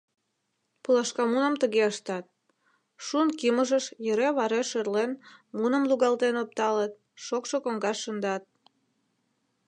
Пулашкамуным тыге ыштат: шун кӱмыжыш йӧре-варе шӧрлен муным лугалтен опталыт, шокшо коҥгаш шындат.